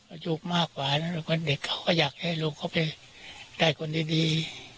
อายุมากกว่าแล้วก็เด็กเขาก็อยากให้ลูกเขาไปได้คนดี